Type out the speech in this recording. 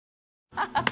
ハハハ。